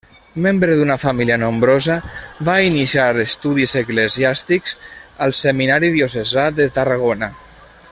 Membre d'una família nombrosa, va iniciar estudis eclesiàstics al Seminari Diocesà de Tarragona.